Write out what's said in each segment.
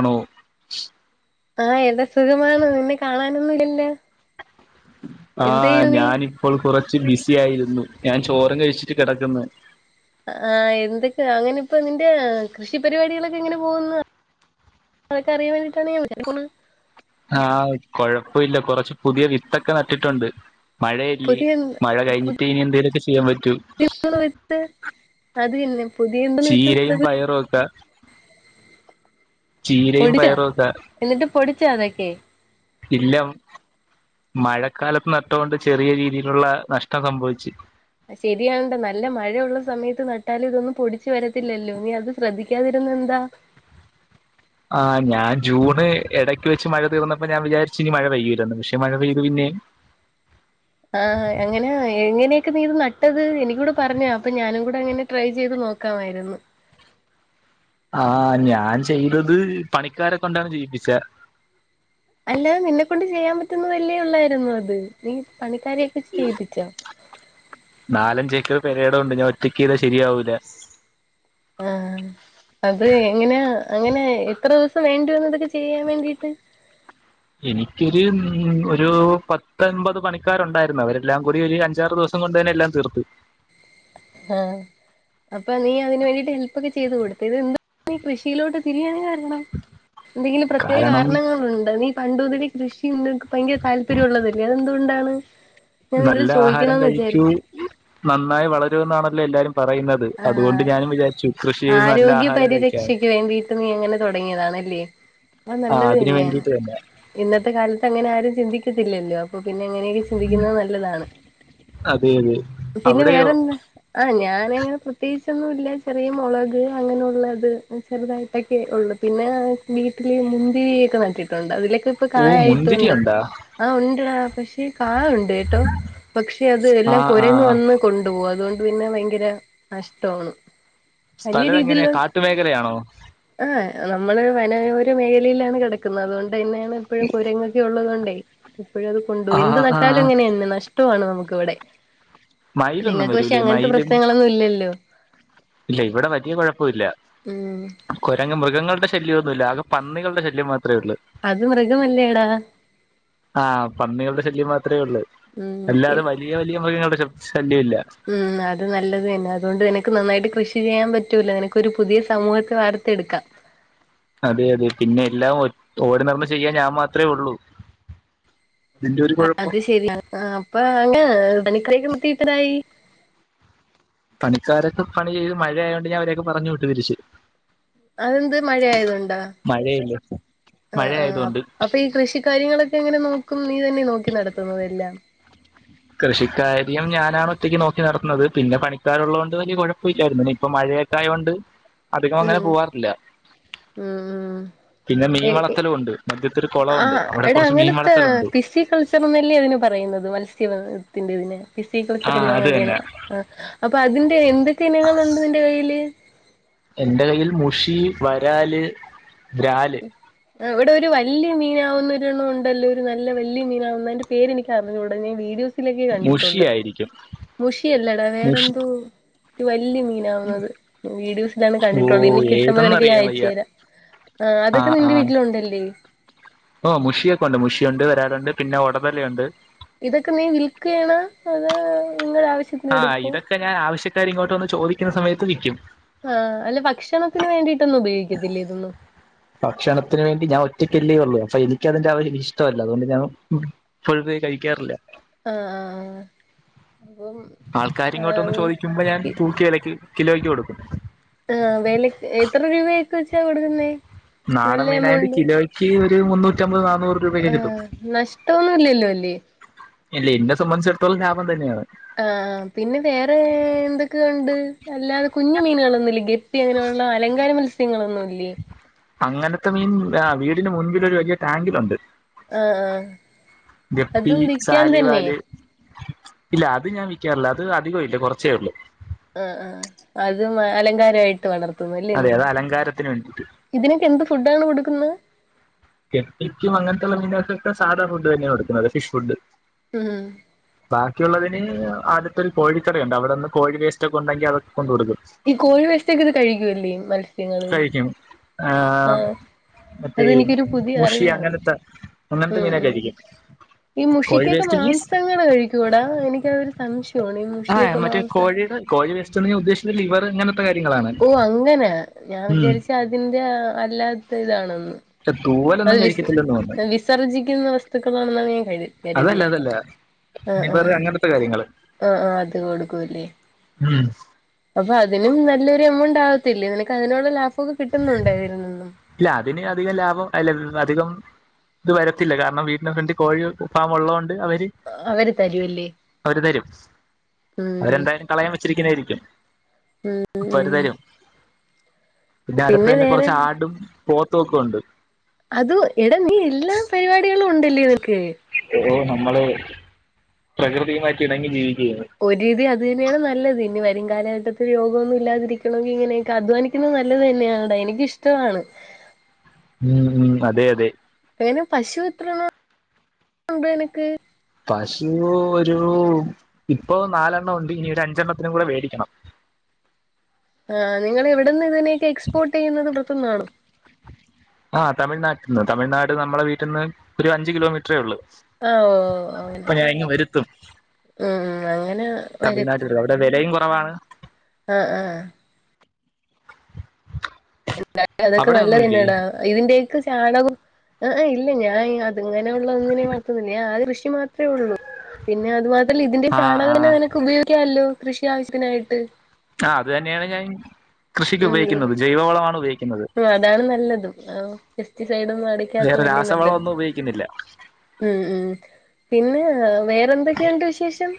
അണോ ആഹ് ഏതാ സുഖമാണോ നിന്നെ കാണാനൊന്നുല്ലല്ലോ ആഹ് ഞാനിപ്പോൾ കുറച്ച് ബിസി ആയിരുന്നു ഞാൻ ചോറും കഴിച്ചിട്ട് കിടക്കുന്നു ആഹ് എന്തൊക്കെ അങ്ങന ഇപ്പൊ നിന്റെ കൃഷി പരിപാടികളൊക്കെ എങ്ങനെ പോകുന്നു അതൊക്കെ അറിയാൻ വേണ്ടിട്ടാണ് ഞാൻ [unintelligible] ആഹ് കൊഴപ്പല്ല കൊറച്ച് പുതിയ വിത്തൊക്കെ നട്ടിട്ടുണ്ട് മഴയല്ലി പുതിയ മഴ കഴിഞ്ഞിട്ട് ഇനി എന്തേലുമൊക്കെ ചെയ്യാൻ പ [unintelligible] അതന്നെ ചീരയും പയറും ഒക്കെ ചീരയും പൊടിച്ചാ പയറും ഒക്കെ എന്നിട്ട് പൊടിച്ചാ അതൊക്കെ ഇല്ല മഴക്കാലത്ത് നട്ടൊണ്ട് ചെറിയ രീതിയിലുള്ള നഷ്ടം സംഭവിച്ചു ശരിയണട നല്ല മഴയുള്ള സമയത്ത് നട്ടാല് ഇതൊന്നും പൊടിച്ച് വരത്തില്ലല്ലോ നീ അത് ശ്രദ്ധിക്കാതിരി എന്താ ആ ഞാൻ ജൂണ് ഇടയ്ക്ക് വെച്ച് മഴ തീർന്നപ്പോ ഞാൻ വിചാരിച്ച് ഇനി മഴ പെയ്യുലന്നു പക്ഷെ മഴ പെയ്തു പിന്നെ ഉം ഉ ആഹ് അങ്ങനാ എങ്ങനെയൊക്കെ നീത് നട്ടത് എനികൂടെ പറഞ്ഞു താ അപ്പൊ ഞാനും കൂടെ അങ്ങനെ ട്രൈ ചെയ്ത് നോ നോക്കാമായിരുന്നു ആഹ് ഞാൻ ചെയ്തത് പണിക്കാരെ കൊണ്ടാണ് ചെയ്യിപ്പിചേ അല്ലാതെ നിന്നെ കൊണ്ട് ചെയ്യാൻ പറ്റുന്നതല്ലേ ഉള്ളായിരുന്നു അത് നീ പണി ക്കാരെ [unintelligible] ചെയ്യിപ്പിച്ചോ പേരെടം ഉണ്ട് ഞാൻ ഒറ്റക്ക് ചെയ്ത ശെ ആ അത് എങ്ങനെ അങ്ങനെ എത്ര ദിവസ വേണ്ടി വന്നു ഇതൊക്കെ ചെയ്യാൻ വേണ്ടിട്ട് ഉം ഒരു പത്തൊൻപത് പണിക്കാരു ഉണ്ടായിരുന്നു അവരെല്ലാം കൂടി ഒരു അഞ്ചാറ് ദിവസം കൊണ്ട് തന്നെ എല്ലാം തീർത്തു ആഹ് അപ്പൊ നീ അതിന് വേണ്ടീട്ട് ഹെൽപ്പൊക്കെ ചെയ്ത് കൊടുത്ത് ഇത് എന്താ നീ കൃഷിയിലോട്ട് തിരിയാൻ കാരണ രണം എന്തെങ്കിലും പ്രത്യേക കാരണം കാരണങ്ങളുണ്ട് നീ പണ്ടു മുതലെ കൃഷി [unintelligible] ഭയങ്കര താല്പര്യം ഉള്ളതല്ലേ അതെന്തുകൊണ്ടാണ്? ഞാൻ നിന്നോട് നല്ല ആഹാരം ചോദിക്കണന്ന് കഴിക്കൂ വിചാരിച്ചു നന്നായി വളരൂ എന്നാണല്ലോ എല്ലാരും പറയുന്നത് അതുകൊണ്ട് ആഹ് ഞാനും വിചാരിച്ചു കൃഷി ചെയ്ത് നല്ല ആരോഗ്യ ആഹാരം കഴിക്കാന്ന് പരിരക്ഷയ്ക്ക് വേണ്ടിയിട്ട് നീ അങ്ങനെ തുടങ്ങിയതാണല്ലേ അത് നല്ലത് തന്നെയാണ് ഇന്നത്തെ കാലത്ത് അങ്ങനെ ആരും ചിന്തിക്കത്തില്ലല്ലോ അപ്പൊ പിൻ പിന്നെ അങ്ങനെയൊക്കെ ചിന്തിക്കുന്നെ നല്ലതാണ് അതെ അതെ പിന്നെ അവിടെയോ വേറെന്താ ആഹ് ഞാന് ഇങ്ങനെ പ്രത്യേകിച്ചൊന്നുല്ല ചെറിയ മുളക് അങ്ങനൊള്ളത് ചെറുതായിട്ടൊക്കെ ഒള്ളൂ പിന്നെ വീിൽ പിന്നെ മുന്തിരി ഒക്കെ നട്ടിട്ടൊണ്ട് അതിലെ ത്പ്പൊ ഓ മുന്തിരി കായായിട്ടുണ്ട് ഉണ്ടാ ആ ഉണ്ട്ടാ പക്ഷേ കായുണ്ട് കേട്ടോ പക്ഷെ അത് ആ എല്ലാം ആ കുരങ്ങങ് വന്ന് കൊണ്ടുപോക അതുകൊണ്ട് പിന്നെ ഭയങ്കര നഷ്ട്ടോണ് സ്ഥലം എങ്ങനെയാ കാട്ടുമേഖലയാണോ ആഹ് നമ്മള് വനയോര മേഖലയിലാണ് കെടക്കുന്നത് അതുകൊണ്ട് തന്നെയാണ് ഇപ്പൊഴും കുരങ്ങൊക്കെ ഒള്ളത് കൊണ്ടേ എപ്പൊഴു അത് കൊണ്ടു പോയി ആ എന്ത് ആ നട്ടാലും അങ്ങനേണ് നഷ്ടമാണ് നമുക്കിവിടെ മയിലൊന്നും നിങ്ങക്ക് പക്ഷെ വരൂലേ അങ്ങനത്തെ പ്രശ്നങ്ങളൊന്നും ഇല്ലല്ലോ ഇല്ലേയ് ഇവിടെ വലിയ കുഴപ്പവില്ല ഉം കൊരങ്ങ മൃഗങ്ങളുടെ ശല്യമൊന്നുമില്ല ആകെ പന്നികളുടെ ശല്യം മാ അത് മൃഗമല്ലേടാ ആ പന്നികളുടെ ശല്യം മാത്രേ ഒള്ളൂ ഉം പിൻ അല്ലാതെ വലിയ വലിയ മൃഗങ്ങളുടെ ശല്യം ഇല്ല ഉം അത് നല്ലത് തന്നെ അതുകൊണ്ട് നിനക്ക് നന്നായിട്ട് കൃഷി ചെയ്യാൻ പറ്റൂല നിനക്കൊരു പുതിയ സമൂഹത്തെ വാർത്തെടുക്കാം അതെയതെ പിന്നെ എല്ലാ ഓടി നടന്ന് ചെയ്യാൻ ഞാൻ മാത്രേ ഒള്ളൂ ആ അത് ശരിയാണ് അപ്പ അങ്ങനെ തനി കയിലുമുത്തീത്തതായി പണിക്കാരൊക്കെ പണി ചെയ്ത് മഴയായതോണ്ട് ഞാൻ അവരെയൊക്കെ പറഞ്ഞു വിട്ടു പിരിച്ചു അതെന്ത് മഴയായതൊണ്ടോ? മഴയല്ലേ അ ആ മഴയായതുകൊണ്ട് അപ്പൊ ഈ കൃഷി കാര്യങ്ങളൊക്കെ എങ്ങനെ നോക്കും നീ തന്നെ നോ ക്കി നടത്തുന്നതെല്ലാം കൃഷിക്കാര്യം ഞാനാണ് ഒറ്റയ്ക്ക് നോക്കി നടത്തുന്നത് പിന്നെ പണിക്കാരുള്ളതുകൊണ്ട് വലിയ കുഴപ്പവില്ലായിരുന്നു ഇപ്പൊ മഴ ഏട്ടായോണ്ട് അധികം ഉം അങ്ങനെ പോവാറില്ല പിന്നെ മീൻ എ ഇ വളർത്തലും ഉണ്ട് മധ്യത്തൊരു ആ കുളമുണ്ട് അവിടെ എടാ കുറച്ച് മീൻ അങ്ങനത്തെ വളർത്തലുണ്ട് ഫിസി കൾച്ചർന്നല്ലേ അതിന് പറ പറയുന്നത് മത്സ്യ ബന്ധനത്തിന്റെ ഇതിന് ഫിസികൾച്ചർ ആഹ് എന്ന അത് തന്നെ അങ്ങന്നെ അപ്പൊ അതിന്റെ എന്തൊക്കെ ഇനങ്ങളുണ്ട് നിന്റെ കയ്യില് എന്റെ കയ്യിൽ മുഷി വരാല് ബ്രാല് ഇവിടെ ഒരു വലിയ മീനാവുന്ന ഒണ്ണം ഉണ്ടല്ലോ ഒരു നല്ല വലിയ മീനാവുന്ന അയിന്റെ പേരെ എനിക്ക് അറിഞ്ഞുകൂടെ ഞാൻ വീഡിയോസ് മുഷി കണ്ടിട്ടുണ്ട് ആയിരിക്കും മുഷി അല്ലടാ മുഷി വേറെന്തോ വല് മീനാവുന്നത് വീഡിയോസിലാണ് ഓ കണ്ടിട്ടുള്ളൂ ഇനി കിട്ടുമ്പോ നിനക്ക് ഞാൻ ഏതെന്നറിയാൻ അയച്ചു വയ്യ തരാം ആ അതൊക്കെ നിന്റെ വീട്ടിലുണ്ടല്ലേ ഓ മുഷിയൊക്കെ ഉണ്ട് മുഷിയ ഉണ്ട് വരാറുണ്ട് പിന്നെ ഉടതലുണ്ട് ഇതൊക്കെ നീ വിൽക്കുകയാണോ അതോ നിങ്ങളുടെ ആവശ്യത്തിന് എടുക്കു ട്ടുകാരെ ഇങ്ങോട്ട് ചോദിക്കുന്നസമയത്ത് വിൽക്കും ആഹ് അല്ല ഭക്ഷണത്തിന് വേണ്ടിട്ടൊന്നും ഉപയോഗിക്കത്തില്ലേ ഇതൊന്നും ഭക്ഷണത്തിന് വേണ്ടി ഞാൻ ഒറ്റക്കല്ലേ ഉള്ളു അപ്പൊ എനിക്കതിന്റെ ആ ഒരു ഇഷ്ട്ടല്ല അതുകൊണ്ട് ഞാൻ ഫുൾ കഴിക്കാറില്ല ആഹ് ആഹ് ആഹ് അപ്പം ആൾക്കാരിങ്ങോട്ടന്ന് ചോദിക്കുമ്പോ ഞാൻ തൂക്കി വിലക്ക് കിലോയ്ക്ക് കൊടുക്കും ആ വെലക്ക് എത്ര രൂപ ഒക്കെ വെച്ചാ കൊടുക്കുന്നേ നല്ല നാടമീനായി കിലോയ്ക്ക് ഒരു മുന്നൂറ്റിമ്പത് നാന്ന് ആ നഷ്ട്ടൊന്നും ഇല്ലല്ലോ അല്ലേ ഇല്ല എന്നെ സംബന്ധിച്ചിടത്തോളം ലാഭം തന്നെയാണ് ആ പിന്നെ വേറെ എന്തൊക്കെ ഉണ്ട് അല്ലാതെ കുഞ്ഞു മീനേളൊന്നൂല്ലേ ഗ പ്പി അങ്ങനെയുള്ള അലങ്കാര മത്സ്യങ്ങളൊന്നുംല്ലേ അങ്ങനത്തെ മീൻ ആ വീടിന് മുൻപില് ഒരു വലിയ ടാങ്കിലുണ്ട് ആഹ് ആഹ് ഗപ്പി, അതും വിൽക്കാൻ സാലി തന്നെ വാല് ഇല്ല അത് ഞാൻ വിക്കാറില്ല അത് അധികം ഇല്ല കുറച്ചേള്ളൂ ആ ആ അത് അലങ്കാരായിട്ട് വളർത്ത ല്ലേ അതെ നീ അത് അലങ്കാരത്തിന് വേണ്ടിട്ട് ഇതിനൊക്കെ എന്ത് ഫുഡാണ് കൊടുക്കുന്നെ ഗപ്പിക്കും അങ്ങനെത്തെ ഉള്ള മീനുകൾക്കൊക്കെ സാധാ ഫുഡ് തന്നെയാ കൊടുക്കുന്നെ ഫിഷ് ഫുഡ് ഉം ബാക്കിയുള്ളത് പിന്നെ ആടുത്തൊരു കോഴിക്കടയുണ്ട് അവിടെന്ന് കോഴി വേസ്റ്റ് ഒക്കെ ഉണ്ടെങ്കിൽ അത് ഈ കോഴി വേസ്റ്റ്ക്കെ ഇത് കഴിക്കുവല്ലേ മത്സ്യങ്ങള് കഴിക്കും ആ മറ്റേ അതെനിക്കൊരു പുതിയ മുഷി അറിവാണ് അങ്ങനത്തെ അങ്ങനത്തെ ഉം മീനൊക്കെ ഉം കഴിക്കും ഈ കോഴി മുഷിക്കൊക്കെ വേസ്റ്റ് മീൻസ് മാംസങ്ങള് കഴിക്കൂടാ എനിക്കതൊരു സം ശയാണ് ഈ ആ മുഷിയൊക്കെ മറ്റേ മാംസ കോഴിയുടെ കോഴി വേസ്റ്റ് എന്ന് ഞാൻ ഉദ്ദേശിച്ചത് ലിവർ അങ്ങനത്തെ കാര്യങ്ങളാണ് ഓ അങ്ങനെ ഞാൻ ഉം വിചാരിച്ച് അതിന്റെ അല്ലാത്ത ഇതാണെന്ന് അത് തൂവലൊന്നും വിസ കഴിക്കത്തില്ലെന്ന് തോന്നുന്നു വിസർജിക്കുന്ന വസ്തുക്കളാണന്ന കര് അതല്ല കരുതിയെ അതല്ല ആ ആ ലിവർ അങ്ങനത്തെ കാര്യങ്ങള് ആ ആ അത് കൊടുക്കുംല്ലേ ഉം പക്ഷെ അതിനും നല്ലൊരു എമൗണ്ട് ആവത്തില്ലേ നിനക്ക് അതിനുള്ള ലാഭമൊക്കെ കിട്ടുന്നുണ്ടോ അതിൽ നിന്നും ഇല്ല അതിന് അധികം ലാഭം അല്ല അധികം ഇത് വരത്തില്ല കാരണം വീടിന്റെ ഫ്രന്റി കോഴി ഫാർമുള്ളത് കൊണ്ട് അവര് അവര് തരുവല്ലേ അവര് തരും ഉം അവരെന്തായാലും കളയാൻ വെച്ചിരിക്കുന്നായിരിക്കാം ഉം മ് പിന്നെ അടുത്ത് തന്നെ കൊറച്ച് ആടും പോത്തൊക്കെ ഉണ്ട് അത് എട [unintelligible] എല്ലാ പരിപാടികളും ഉണ്ടല്ലേ നിനക്ക് ഓ നമ്മള് പ്രകൃതിയുമായിട്ട് ഇണങ്ങി ജീവി ഒരു രീതി അത് തന്നെയാണ് നല്ലത് ഇനി വ രും കാലഘട്ടത്തിൽ രോഗമൊന്നും ഇല്ലാതിരിക്കണമെങ്കി ഇങ്ങനെയൊക്കെ അധ്വാനിക്കുന്നത് നല്ലത് തന്നെയാണ് ഡാ എനിക്കിഷ്ടമാണ് ഉം ഉം അതെ അതെ എങ്ങനെ പശു എത്രണംണ്ട് എനക്ക് പശു ഒരു ഇപ്പ നാലെണ്ണം ഉണ്ട് ഇനി ഒരു അഞ്ചെണ്ണത്തിനും കൂടെ വേടിക്കണം ആ നിങ്ങള് എവിടന്ന് ഇതിനെയൊക്കെ എക്സ്പോർട്ട് ചെയ്യുന്നത് ഗൾഫ്ന്നാണോ ആ തമിഴ്നാട്ട് ന്ന് തമിഴ്നാട് നമ്മുടെ വീട്ടിൽ നിന്ന് ഒരു അഞ്ച് കിലോമീറ്ററേ ഉള്ളൂ ആ ഓ അങ്ങനെ അപ്പൊ ഞാൻ ഇങ്ങ് മ് മ് അങ്ങനെ വരുത്തും തമിഴ്നാട്ടിവരും അവിടെ വിലയും കുറവാണ് ആ ആ എന്ത അതൊക്കെ അവിടെ നല്ലത് ഒന്നുമില്ലേ തന്നെയെടാ ഇതിന്റെയൊക്കെ ചാണകം ഇല്ല ഞാൻ അങ്ങനെ ഉള്ള ഒന്നിനേം വളർത്തുന്നില്ല. ആ കൃഷി മാത്രേ ഉള്ളൂ പിന്നെ അതുമാ ല്ല ഇതിന്റെ ആഹ് ചാണകം തന്നെ ആഹ് നിനക്ക് ഉപയോഗിക്കാമല്ലോ കൃഷി ആവശ്യത്തിനായിട്ട് ആ അത് തന്നെയാണ് ഞാൻ- കൃഷിക്ക് ഉം ഉപയോഗിക്കുന്നത് ജൈവവളമാണ് ഉപയോഗിക്കുന്നത്. സൈഡ് ഒന്നും വേറെ അടിക്കാത്തതല്ലേ രാസവളം നല്ലത് ഒന്നും ഉപയോഗിക്കുന്നില്ല ഉം ഉം പിന്നെ വേറെന്തൊക്കെയുണ്ട് വിശേഷം?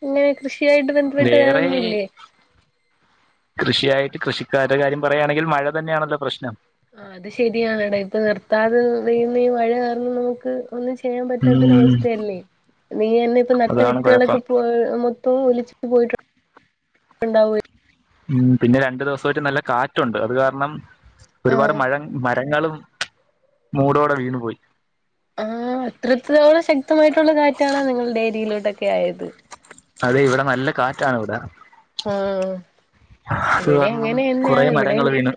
പിന്നെ കൃഷി- കൃഷിയായിട്ടു ബന്ധപ്പെട്ട് വേറെ വേണൊന്നുമില്ലേ? കൃഷിക്കാരെ കാര്യം പറയാണെങ്കിൽ മഴ തന്നെയാണല്ലെ പ്രശ്നം.. ആ അത് ശരിയാണടാ ഇപ്പൊ നിർത്താതെ വെയ്യുന്ന ഈ മഴ കാരണം നമുക്ക്- ഒന്നും ചെയ്യാൻ ഉം പറ്റാത്തൊരവസ്ഥയല്ലേ നീ എന്നെ ഇപ്പ നട്ട അതാണ് വിത്തുകളൊക്കെ കുഴപ്പം പോ- ഒ ഒലിചിട്ട് പോയിട്ടുണ്ടാവ ഉം പിന്നെ രണ്ടു ദിവസായിട്ടു നല്ല കാറ്റുണ്ട് അത് കാരണം ഒരുപാട് ആഹ് മഴ മരങ്ങളും മൂടോടെ വീണ് പോയി ആഹ് അത്രത്തോളം എന്തൊക്കെ ആയത് അതെ ഇവിടെ നല്ല കാറ്റാണ് ഇവിടെ ആഹ അത് ഇവിടെ കാരണം അങ്ങനെന്നെയ കുറെ ഇവിടെ മരങ്ങൾ വീണ്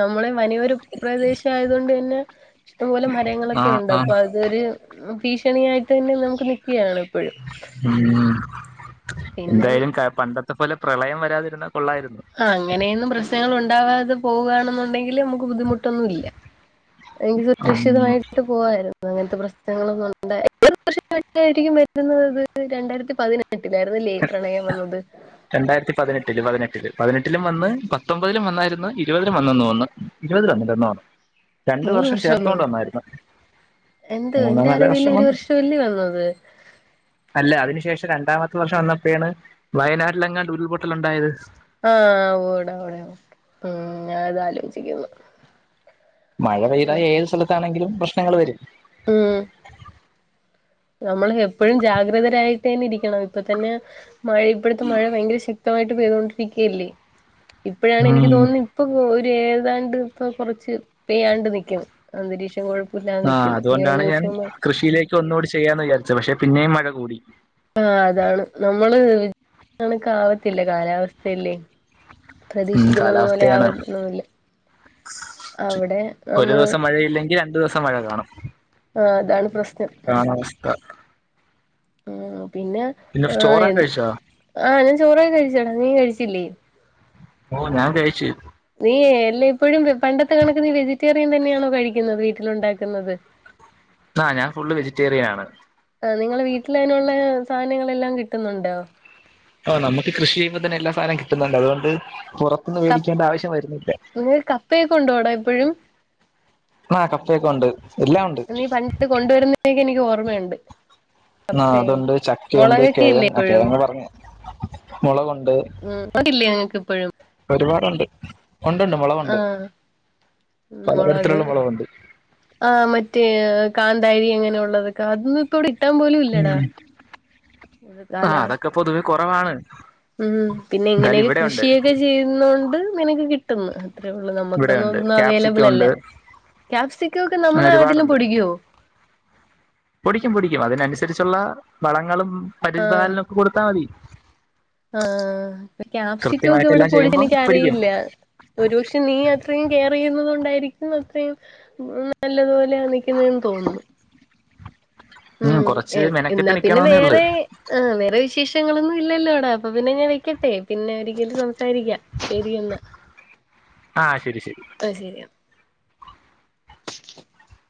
നമ്മള വനയൊരു പ്രദേശ ആയത് കൊണ്ട് തന്നെ ഇഷ്ടംപോലെ മരങ്ങളൊക്കെ ആഹ് ഉണ്ട് അപ്പൊ ആഹ് അതൊരു ഭീഷണി യായിട്ടു തന്നെ നില് - ഉം പിന്നെ എന്തായാലും ക പണ്ട - ഇ പോലെ പ്രളയം വരാതിരുന്ന ആ അങ്ങനെയൊന്നും പ്രശ്നങ്ങൾ ഉണ്ടാവാതെ പോവുകയാണെന്നുണ്ടെങ്കില് നമുക്ക് ബുദ്ധിമുട്ടൊന്നും ഇല്ല. എങ്കിൽ ഉം സുരക്ഷിതമായിട്ട് പോവായിരുന്നു അങ്ങനത്തെ പ്രശ്നങ്ങളൊന്നും [unintelligible] വരുന്നത് രണ്ടായിരത്തിതിനപതി വീട്ടിലായിരുന്നല്ലേ പ്രളയം വന്നത്..? രണ്ടായിരത്തി പതിനെട്ടില് പതിനെട്ടിലും വന്ന് പത്തൊമ്പതിലും വന്നായിരുന്നു. ന്ന് ഇരുപതിന് വന്നൂന്ന് തോന്നുന്നു ഇരുപതിന്ന് രണ്ടു വർഷം ചേർത്തോണ്ട് വന്നായിരുന്നു. എന്ത്‌ മൂന്നോ എന്റെ നാലോ അറിവിൽ ഒരു വന്നു വർഷം അല്ലെ വന്നത് അല്ല അതിനു ശേഷം രണ്ടാമത്തെ വർഷം വന്നപ്പോഴാണ് വയനാട്ടിൽ അങ്ങാണ്ട് ഉരുൾപൊട്ടൽ ഉണ്ടായത് ആഹ ഓട ടെ ഉം ഞ അതാലോചിക്കുന്നു മഴ പെയത ഏത് സ്ഥലത്താണെങ്കിലും പ്രശ്നങ്ങൾ വരും. മ്മ് നമ്മൾ എപ്പോഴും ജാഗ്രതരായിട്ട് തന്നെ ഇരിക്കണം ഇപ്പ തന്നെ മഴ ഇപ്പോഴത്തെ മഴ ഭയങ്കര ശ, ശക്തമായിട്ട് പെയ്തൊണ്ടിരിക്കുകയല്ലേ ഇപ്പോഴാണ് എനിക്ക് ഉം തോന്നുന്നത് ഇപ്പൊ ഏതാണ്ട് ഇപ്പോ കുറച്ച് പെയ്യാണ്ട് നിക്കും അന്തരീക്ഷം- കുഴപ്പമില്ലാതെ ആഹ നിക്കും ഏത് അതുകൊണ്ടാണ് ഞാൻ നിമിഷവും കൃഷിയിലേക്ക് ഒന്നുകൂടി ചെയ്യാന്ന് വിചാരിച്ചത് പക്ഷെ പിന്നെയും മഴ കൂടി. ആഹ അതാണ് നമ്മള് വിച - ണക്ക ആാവത്തില്ല കാലാവസ്ഥല്ലേ ഉം കാലാവസ്ഥയാണ്. അവിടെ ഒരു നമ്മള് ദിവസം മഴയില്ലെങ്കിൽ രണ്ടു ദിവസം മഴ കാണും. ആഹ അതാണ് പ്രശ്നം അതാണ് അവസ്ഥ ഉം പിന്നെ പിന്നെ ആ ചോറൊക്കെ കഴിച്ചോ ആ ഞാൻ ചോറെ കഴിച്ചുടാ നീ കഴിച്ചില്ലേ? ഓ ഞാൻ കഴിച്ചു. നീ എല്ലാ ഇപ്പോഴും പണ്ടത്തെ കണക്ക് നീ വെജിറ്റേറിയൻ തന്നെയാണോ കഴിക്കുന്നത് വീട്ടിലുണ്ടാക്കുന്നത്? [unintelligible] ആ ഞാൻ ഫുള് വെജിറ്റേറിയൻ ആണ്. നിങ്ങള വീട്ടിൽ അതിനുള്ള സാധനങ്ങളെല്ലാം കിട്ടുന്നുണ്ടോ? ഓ നമുക്ക് കൃഷി ചെയ്യുമ്പോൾ തന്നെ എല്ലാസാധനം കിട്ടുന്നുണ്ട് അതുകൊണ്ട്- പുറത്തുന്ന് ക വേടിക്കേണ്ട ആവശ്യം വരുന്നില്ല. നിങ്ങക്ക് കപ്പയൊക്കെ ഉണ്ടോടാ ഇപ്പോഴും ആ കപ്പയൊക്കെണ്ട് നീ പണ്ട് കൊണ്ടുവരുന്നതിനെ എനിക്ക് ഓർമ്മയുണ്ട്. ആ കപ്പയും അതുണ്ട് ചക്കയുണ്ട് മുളകൊക്കെ കിഴ ഇല്ലേ ആ ഇപ്പോഴും കിഴങ്ങ് പറഞ്ഞ് മുളകുണ്ട്. ഉ - ല്ലേ ങ്ങക്ക് ഇപ്പോഴും ഉണ്ട് ഉണ്ട് മുളകുണ്ട്. ഉ മുളക് പലതരത്തിലുള്ള മുളകുണ്ട് ആ മറ്റേ കാന്താരി എങ്ങനെ ഉള്ളത് അതൊന്നും ഇത്തടെ ഇട്ടാൻ പോലും ഇല്ലടാ ഉം ആ കാലാവസ്ഥ അതൊക്കെ പൊതുവെ കുറവാണ് ഉം പിന്നെ എന്തായാലും ഇങ്ങനെയൊക്കെ ഇവിടെയുണ്ട് കൃഷിയൊക്കെ ചെയ്യുന്നൊണ്ട് നിനക്ക് കിട്ടന്ന് അത്രേ ഉള്ളൂ നമ്മുക്കൊന്നും ഇവിടെയുണ്ട് ഒന്നും ക്യാപ്സിക്കം അവൈലബിൾ അല്ല ഉണ്ട് കായാപ്സിക്കോ ഒക്കെ അങ്ങനെ നമ്മളെ നാട്ടിലും പുടിക്കൊ? പുടിക്കും പുടിക്കും.., അതിനനുസരിച്ചുള്ള വളങ്ങളും പരിചിധാലനും ഒക്കെ കൊടുത്താൽ മതി. ആഹൊ കാക്യാപ്സിക്കോ ഒക്കെ ഇവിടെ കൃത്യമായിട്ടെല്ലാം പൊടി [unintelligible] ചെയ്യുമ്പം എനിിക്ക പിടിക്കും അറിയില്ല ഒരുപക്ഷെ നീ അത്രയും കെയർ ചെയ്യുന്നതുണ്ടായിരിക്കും. അത്രയും നല്ലതുപോലെയാ നിക്കുന്നെന്ന് തോന്നുന്നു. ഉം കുറച്ച് എന്നാ മെനക്കെട്ട് പിന്നെ നിക്കണോന്നേ ഉള്ളൂ വേറെ ആ [inaudible] ങ്ങളന്ന ഇല്ലല്ലോട അപ്പ പിന്നെ ഞെ വെക്കട്ടെ പിന്നെ ഒരിക്കൽ [unintelligible] രിക്കാം ശരിക്കന്ന് ആ ശരി ശരി അ ശരിയാ. [inaudible]